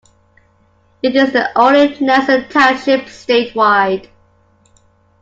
It is the only Nelson Township statewide.